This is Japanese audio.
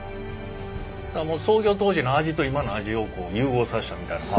もう創業当時の味と今の味をこう融合させたみたいな感じ。